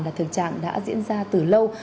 là thường trạng đã diễn ra từ lâu